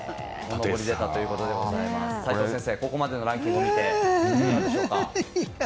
齋藤先生、ここまでのランキングいかがでしょうか？